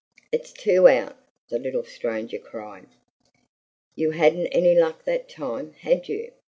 "It's two out!" the little stranger cried. "You hadn't any luck that time, had you?"